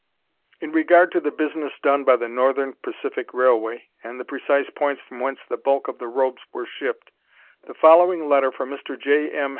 In regard to the business done by the Northern Pacific Railway, and the precise points from whence the bulk of the robes were shipped, the following letter from Mr. J. M.